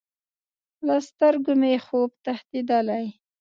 له سترګو مې خوب تښتیدلی